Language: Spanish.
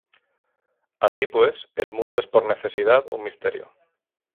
Así pues, el mundo es por necesidad un misterio.